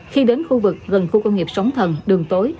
khi đến khu vực gần khu công nghiệp sóng thần đường tối